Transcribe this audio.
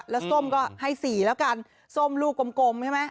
แล้วส้มก็ให้๔แล้วกันส้มลูกกลมใช่ไหม